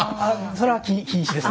それは禁止です。